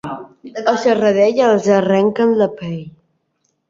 A Serradell, els arrenquen la pell.